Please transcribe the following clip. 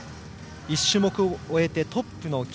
１種目を終えてトップの岸。